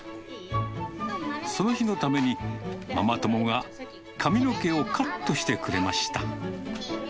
その日のために、ママ友が髪の毛をカットしてくれました。